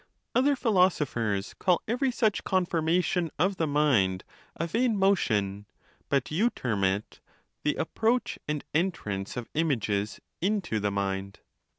Other phi losophers call every such conformation of the mind a vain motion ; but you term it " the approach and entrance of images into the mind."